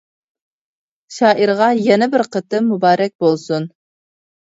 شائىرغا يەنە بىر قېتىم مۇبارەك بولسۇن!